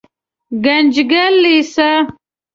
ګنجګل لېسه